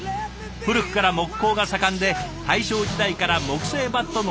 古くから木工が盛んで大正時代から木製バットの生産を開始。